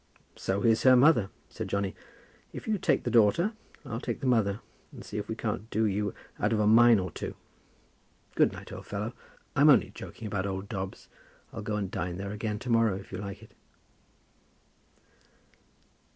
"So is her mother," said Johnny. "If you take the daughter, I'll take the mother, and see if I can't do you out of a mine or two. Good night, old fellow. I'm only joking about old Dobbs. I'll go and dine there again to morrow, if you like it."